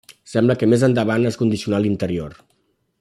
Sembla que més endavant es condicionà l'interior.